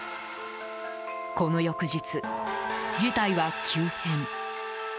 この翌日、事態は急変。